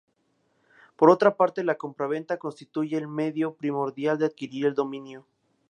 Por otra parte, la compraventa constituye el medio primordial de adquirir el dominio.